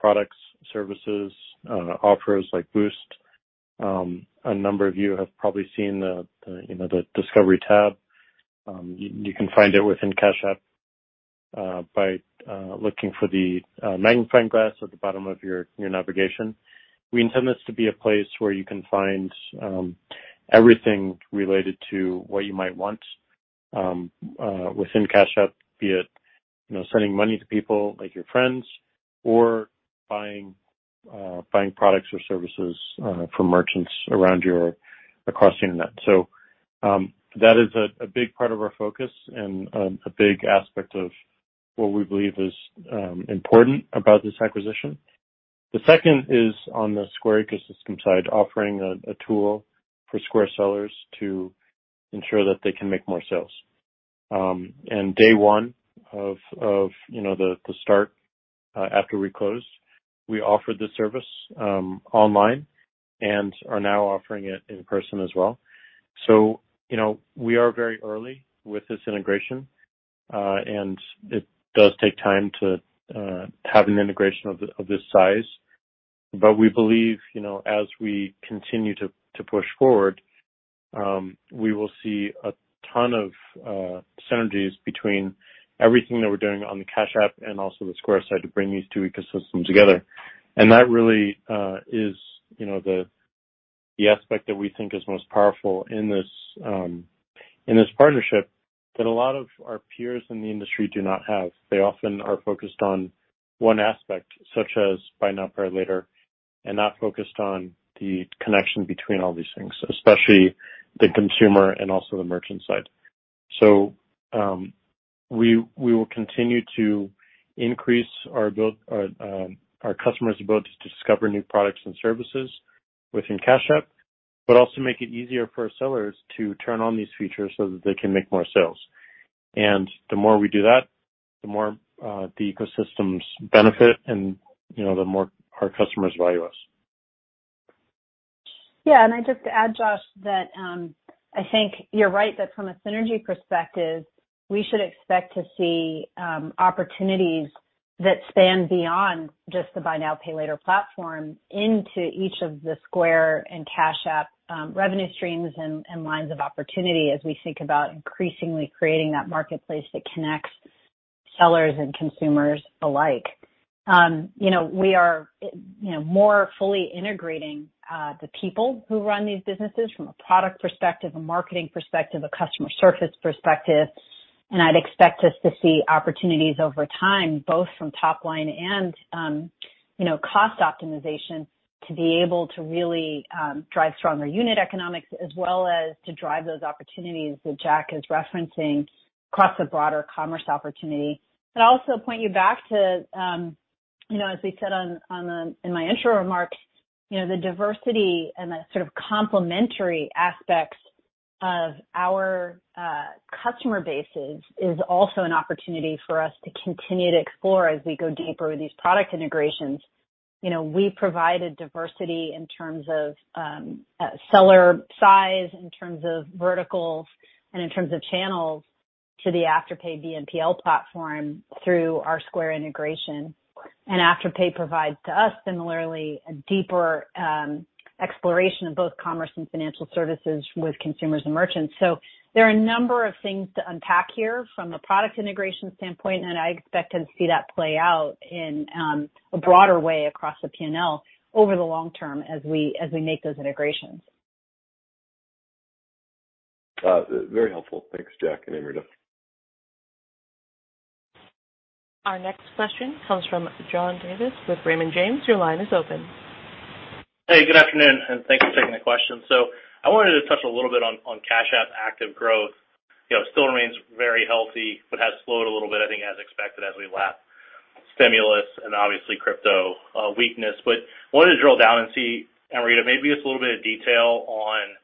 products, services, offers like Boost. A number of you have probably seen the, you know, the Discover tab. You can find it within Cash App by looking for the magnifying glass at the bottom of your navigation. We intend this to be a place where you can find everything related to what you might want within Cash App, be it, you know, sending money to people like your friends or buying products or services from merchants across the internet. That is a big part of our focus and a big aspect of what we believe is important about this acquisition. The second is on the Square ecosystem side, offering a tool for Square sellers to ensure that they can make more sales. Day one of, you know, the start after we closed, we offered this service online and are now offering it in person as well. You know, we are very early with this integration, and it does take time to have an integration of this size. We believe, you know, as we continue to push forward, we will see a ton of synergies between everything that we're doing on the Cash App and also the Square side to bring these two ecosystems together. That really is, you know, the aspect that we think is most powerful in this partnership that a lot of our peers in the industry do not have. They often are focused on one aspect, such as buy now, pay later, and not focused on the connection between all these things, especially the consumer and also the merchant side. We will continue to increase our customers' ability to discover new products and services within Cash App, but also make it easier for our sellers to turn on these features so that they can make more sales. The more we do that, the more the ecosystems benefit and, you know, the more our customers value us. Yeah. I just add, Josh, that I think you're right, that from a synergy perspective, we should expect to see opportunities that span beyond just the buy now, pay later platform into each of the Square and Cash App revenue streams and lines of opportunity as we think about increasingly creating that marketplace that connects sellers and consumers alike. You know, we are you know more fully integrating the people who run these businesses from a product perspective, a marketing perspective, a customer service perspective, and I'd expect us to see opportunities over time, both from top line and you know cost optimization to be able to really drive stronger unit economics as well as to drive those opportunities that Jack is referencing across the broader commerce opportunity. I'd also point you back to, you know, as we said in my intro remarks, you know, the diversity and the sort of complementary aspects of our customer bases is also an opportunity for us to continue to explore as we go deeper with these product integrations. You know, we provided diversity in terms of seller size, in terms of verticals and in terms of channels to the Afterpay, BNPL platform through our Square integration. Afterpay provides to us similarly a deeper exploration of both commerce and financial services with consumers and merchants. There are a number of things to unpack here from a product integration standpoint, and I expect to see that play out in a broader way across the P&L over the long term as we make those integrations. Very helpful. Thanks, Jack and Amrita. Our next question comes from John Davis with Raymond James. Your line is open. Hey, good afternoon, and thanks for taking the question. I wanted to touch a little bit on Cash App active growth. You know, it still remains very healthy but has slowed a little bit, I think as expected, as we lap stimulus and obviously crypto weakness. Wanted to drill down and see, Amrita, maybe just a little bit of detail on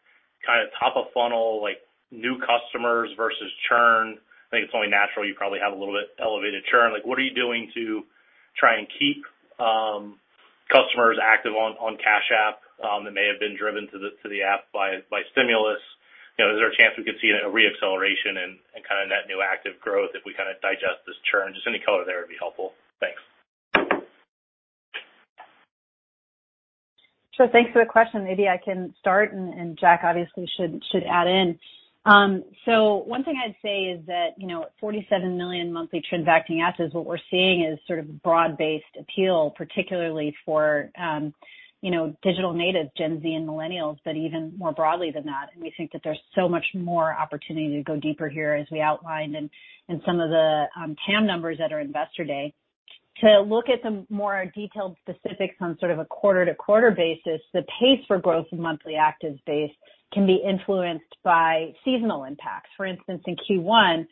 kinda top of funnel, like new customers versus churn. I think it's only natural you probably have a little bit elevated churn. Like, what are you doing to try and keep customers active on Cash App that may have been driven to the app by stimulus? You know, is there a chance we could see a re-acceleration and kinda net new active growth if we kinda digest this churn? Just any color there would be helpful. Thanks. Sure. Thanks for the question. Maybe I can start, and Jack obviously should add in. So one thing I'd say is that, you know, at 47 million monthly transacting users, what we're seeing is sort of broad-based appeal, particularly for, you know, digital native Gen Z and Millennials, but even more broadly than that. We think that there's so much more opportunity to go deeper here as we outlined in some of the TAM numbers at our Investor Day. To look at some more detailed specifics on sort of a quarter-to-quarter basis, the pace for growth in monthly active base can be influenced by seasonal impacts. For instance, in Q1,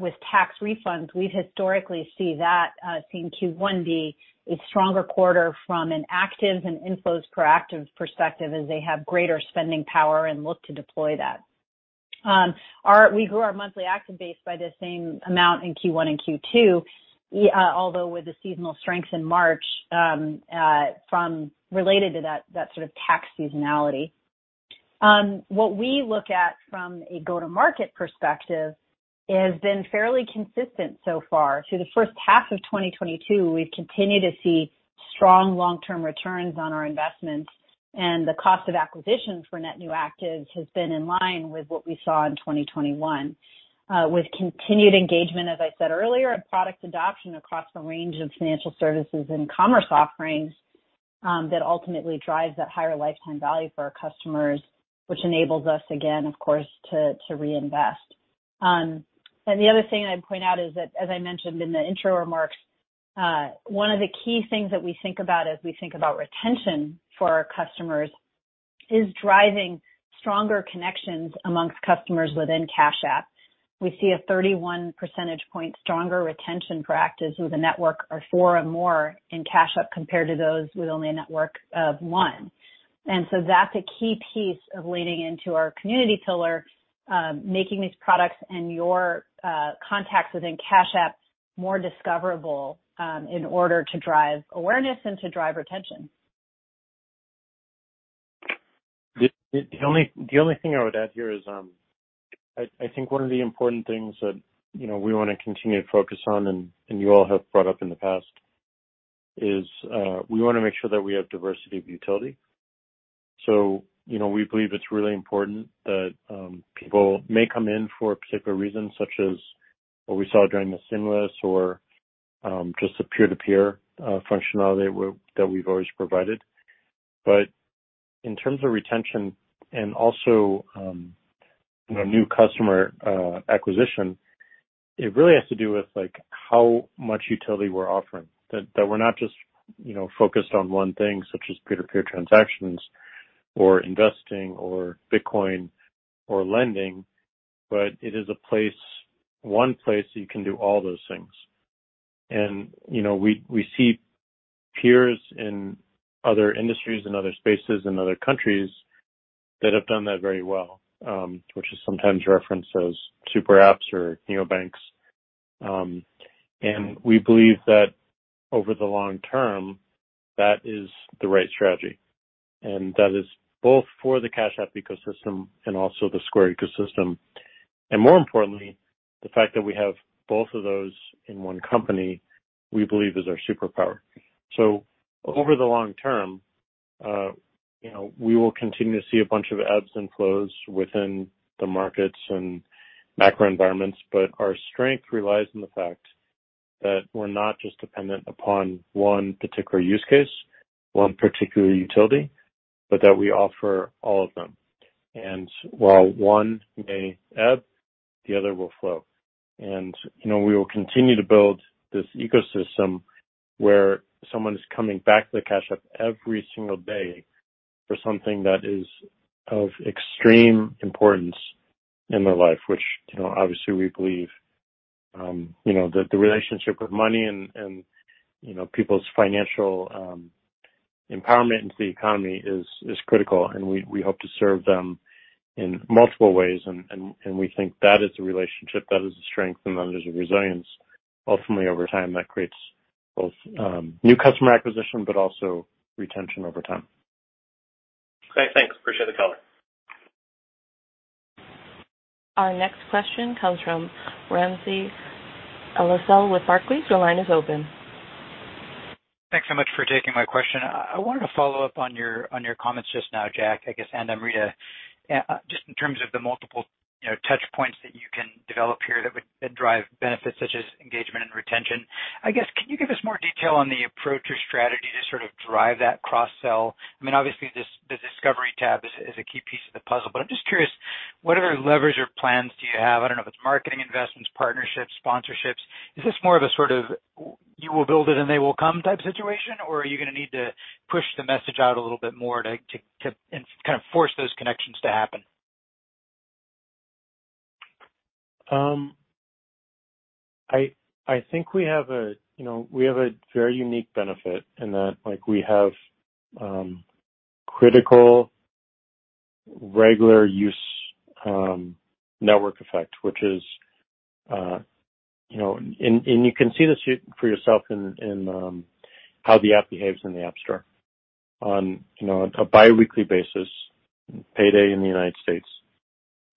with tax refunds, we historically see that, seeing Q1 be a stronger quarter from an active and inflows per active perspective as they have greater spending power and look to deploy that. We grew our monthly active base by the same amount in Q1 and Q2, although with the seasonal strength in March, from related to that sort of tax seasonality. What we look at from a go-to-market perspective has been fairly consistent so far. Through the first half of 2022, we've continued to see strong long-term returns on our investments, and the cost of acquisitions for net new actives has been in line with what we saw in 2021. With continued engagement, as I said earlier, and product adoption across the range of financial services and commerce offerings, that ultimately drives that higher lifetime value for our customers, which enables us again, of course, to reinvest. The other thing I'd point out is that, as I mentioned in the intro remarks, one of the key things that we think about as we think about retention for our customers is driving stronger connections among customers within Cash App. We see a 31 percentage point stronger retention for actives with a network of four or more in Cash App compared to those with only a network of one. That's a key piece of leaning into our community pillar, making these products and your contacts within Cash App more discoverable, in order to drive awareness and to drive retention. The only thing I would add here is I think one of the important things that you know we wanna continue to focus on and you all have brought up in the past is we wanna make sure that we have diversity of utility. You know we believe it's really important that people may come in for a particular reason such as what we saw during the stimulus or just the peer-to-peer functionality that we've always provided. In terms of retention and also you know new customer acquisition it really has to do with like how much utility we're offering. That we're not just you know focused on one thing such as peer-to-peer transactions or investing or Bitcoin or lending but it is a place one place you can do all those things. You know, we see peers in other industries and other spaces and other countries that have done that very well, which is sometimes referenced as super apps or neo banks. We believe that over the long term, that is the right strategy, and that is both for the Cash App ecosystem and also the Square ecosystem. More importantly, the fact that we have both of those in one company, we believe is our superpower. Over the long term, you know, we will continue to see a bunch of ebbs and flows within the markets and macro environments, but our strength relies on the fact that we're not just dependent upon one particular use case, one particular utility, but that we offer all of them. While one may ebb, the other will flow. You know, we will continue to build this ecosystem where someone is coming back to the Cash App every single day for something that is of extreme importance in their life, which, you know, obviously we believe you know that the relationship with money and you know people's financial empowerment into the economy is critical. We hope to serve them in multiple ways. We think that is a relationship, that is a strength, and then there's a resilience ultimately over time that creates both new customer acquisition but also retention over time. Great. Thanks. Appreciate the color. Our next question comes from Ramsey El-Assal with Barclays. Your line is open. Thanks so much for taking my question. I wanted to follow up on your comments just now, Jack, I guess, and Amrita, just in terms of the multiple, you know, touch points that you can develop here that would drive benefits such as engagement and retention. I guess, can you give us more detail on the approach or strategy to sort of drive that cross-sell? I mean, obviously this, the Discover tab is a key piece of the puzzle, but I'm just curious, what other levers or plans do you have? I don't know if it's marketing investments, partnerships, sponsorships. Is this more of a sort of you will build it and they will come type situation? Or are you gonna need to push the message out a little bit more to and kind of force those connections to happen? I think we have a very unique benefit in that, like, we have critical regular use network effect, which is, you know. You can see this for yourself in how the app behaves in the App Store. On a bi-weekly basis, payday in the United States,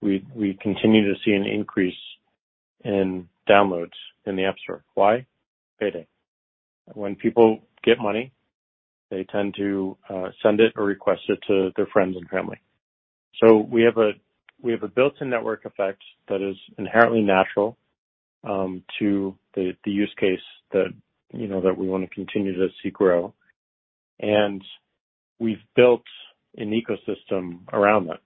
we continue to see an increase in downloads in the App Store. Why? Payday. When people get money, they tend to send it or request it to their friends and family. We have a built-in network effect that is inherently natural to the use case that we wanna continue to see grow. We've built an ecosystem around that.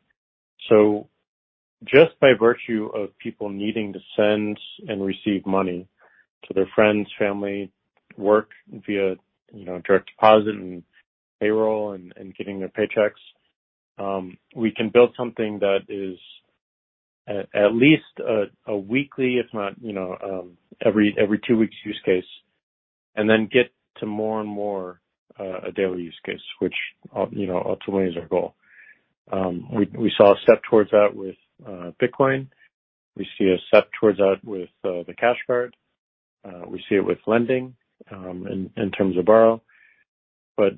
Just by virtue of people needing to send and receive money to their friends, family, work via, you know, direct deposit and payroll and getting their paychecks, we can build something that is at least a weekly, if not, you know, every two weeks use case, and then get to more and more a daily use case, which, you know, ultimately is our goal. We saw a step towards that with Bitcoin. We see a step towards that with the Cash Card. We see it with lending in terms of Borrow.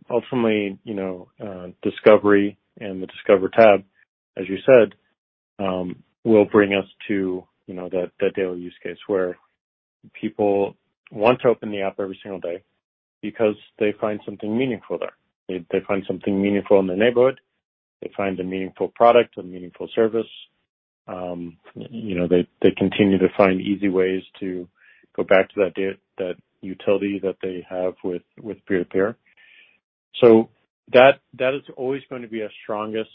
Ultimately, you know, discovery and the Discover tab, as you said, will bring us to that daily use case where people want to open the app every single day because they find something meaningful there. They find something meaningful in the neighborhood. They find a meaningful product, a meaningful service. You know, they continue to find easy ways to go back to that utility that they have with peer-to-peer. That is always going to be our strongest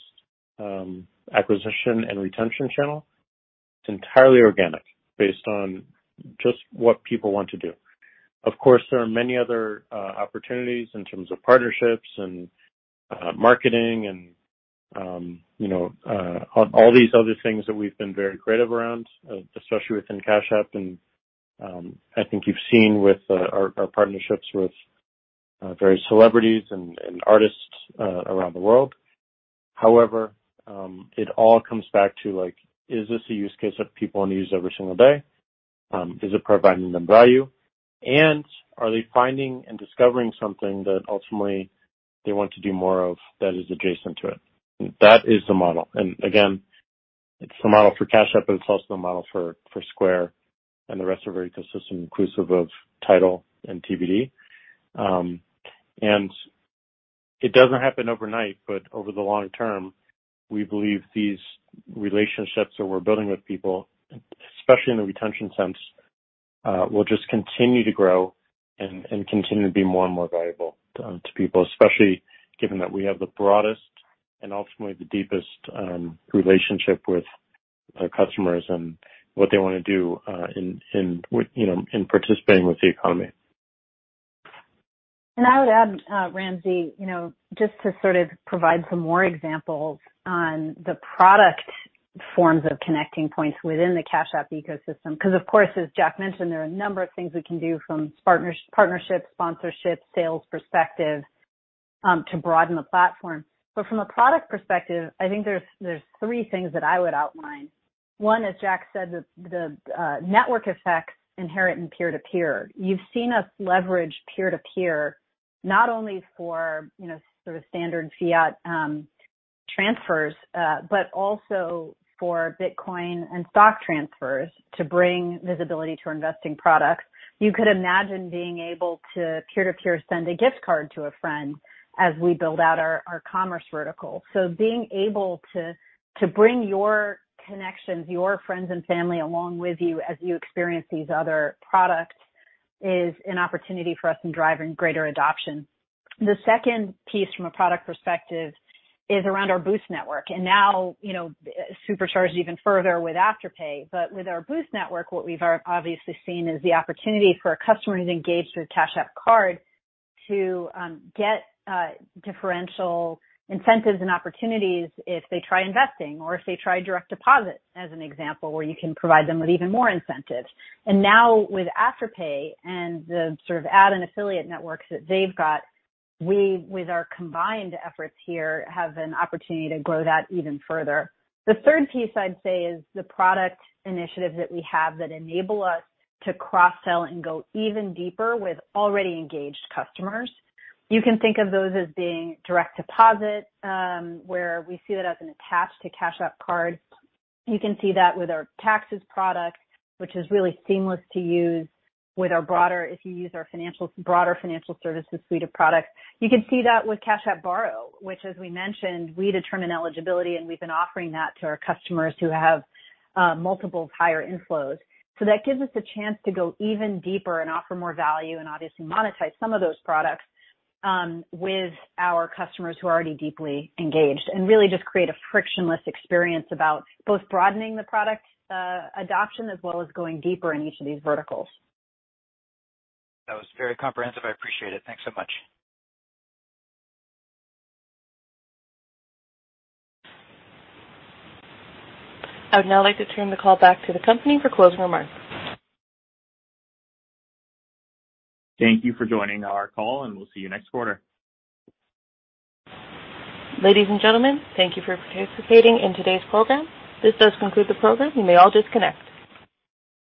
acquisition and retention channel. It's entirely organic based on just what people want to do. Of course, there are many other opportunities in terms of partnerships and marketing and you know all these other things that we've been very creative around, especially within Cash App. I think you've seen with our partnerships with various celebrities and artists around the world. However, it all comes back to, like, is this a use case that people wanna use every single day? Is it providing them value? Are they finding and discovering something that ultimately they want to do more of that is adjacent to it? That is the model. Again, it's the model for Cash App, but it's also the model for Square and the rest of our ecosystem, inclusive of TIDAL and TBD. It doesn't happen overnight, but over the long term, we believe these relationships that we're building with people, especially in the retention sense, we'll just continue to grow and continue to be more and more valuable to people, especially given that we have the broadest and ultimately the deepest relationship with our customers and what they wanna do in with, you know, in participating with the economy. I would add, Ramsey, you know, just to sort of provide some more examples on the product forms of connecting points within the Cash App ecosystem, 'cause, of course, as Jack mentioned, there are a number of things we can do from partnership, sponsorship, sales perspective, to broaden the platform. But from a product perspective, I think there's three things that I would outline. One, as Jack said, the network effects inherent in peer-to-peer. You've seen us leverage peer-to-peer not only for, you know, sort of standard fiat, transfers, but also for Bitcoin and stock transfers to bring visibility to our investing products. You could imagine being able to peer-to-peer send a gift card to a friend as we build out our commerce vertical. Being able to bring your connections, your friends and family, along with you as you experience these other products is an opportunity for us in driving greater adoption. The second piece from a product perspective is around our Boost network, and now, you know, supercharged even further with Afterpay. With our Boost network, what we've obviously seen is the opportunity for a customer who's engaged with a Cash App Card to get differential incentives and opportunities if they try investing or if they try direct deposit, as an example, where you can provide them with even more incentives. Now with Afterpay and the sort of ad and affiliate networks that they've got, we, with our combined efforts here, have an opportunity to grow that even further. The third piece I'd say is the product initiatives that we have that enable us to cross-sell and go even deeper with already engaged customers. You can think of those as being direct deposit, where we see it as an attach to Cash App Card. You can see that with our taxes product, which is really seamless to use with our broader financial services suite of products. You can see that with Cash App Borrow, which as we mentioned, we determine eligibility, and we've been offering that to our customers who have multiples higher inflows. That gives us a chance to go even deeper and offer more value and obviously monetize some of those products, with our customers who are already deeply engaged and really just create a frictionless experience about both broadening the product, adoption as well as going deeper in each of these verticals. That was very comprehensive. I appreciate it. Thanks so much. I would now like to turn the call back to the company for closing remarks. Thank you for joining our call, and we'll see you next quarter. Ladies and gentlemen, thank you for participating in today's program. This does conclude the program. You may all disconnect.